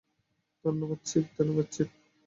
ধন্যবাদ, চীফ।